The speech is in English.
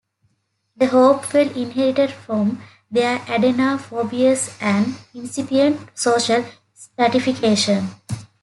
The Hopewell inherited from their Adena forebears an incipient social stratification.